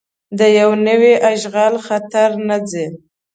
د یو نوي اشغال خطر نه ځي.